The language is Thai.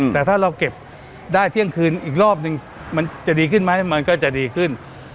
แต่ถ้าเราเก็บได้เที่ยงคืนอีกรอบนึงมันจะดีขึ้นไหมมันก็จะดีขึ้น